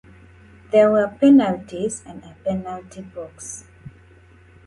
There were penalties and a penalty box.